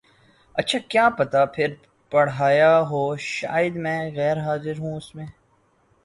اچھا کیا پتا پھر پڑھایا ہو شاید میں غیر حاضر ہوں اس میں